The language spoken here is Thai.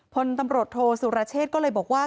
พลตำรวจโทสุรเชษก็เลยบอกว่า